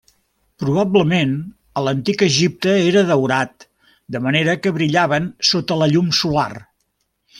Probablement, a l'antic Egipte era daurat, de manera que brillaven sota la llum solar.